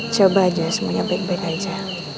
coba aja semuanya baik baik aja